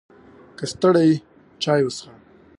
که ستړی یې، چای وڅښه!